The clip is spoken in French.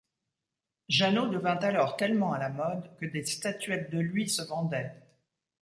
Janot devint alors tellement à la mode que des statuettes de lui se vendaient.